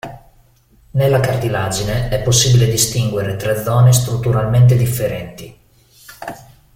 Nella cartilagine è possibile distinguere tre zone strutturalmente differenti.